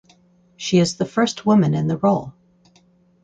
She is the first woman in the role.